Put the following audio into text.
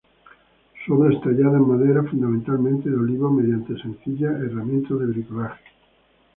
Su obra es tallada en madera, fundamentalmente de olivo, mediante sencillas herramientas de bricolaje.